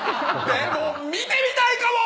でも見てみたいかも！